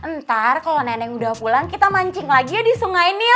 ntar kalau nenek udah pulang kita mancing lagi ya di sungai ini ya